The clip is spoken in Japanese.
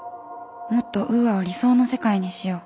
もっとウーアを理想の世界にしよう。